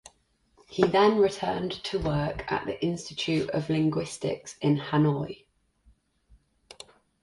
He then returned to working at the Institute of Linguistics in Hanoi.